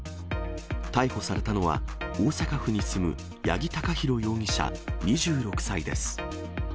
逮捕されたのは、大阪府に住む八木貴寛容疑者２６歳です。